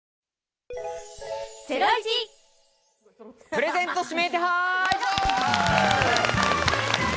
プレゼント指名手配！